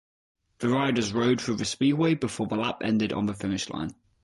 The riders rode through the Speedway before the lap ended on the finish line.